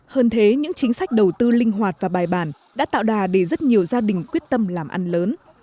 hơn thế những chính sách đầu tư linh hoạt và bài bản đã tạo đà để rất nhiều gia đình quyết tâm làm ăn lớn